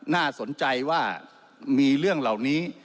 น่าสนใจว่ามีเรื่องเหล่านี้